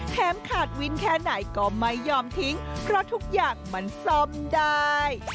ขาดวินแค่ไหนก็ไม่ยอมทิ้งเพราะทุกอย่างมันซ่อมได้